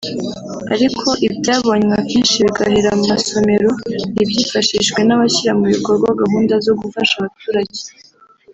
ariko ibyabonywe akenshi bigahera mu masomero ntibyifashishwe n’abashyira mu bikorwa gahunda zo gufasha abaturage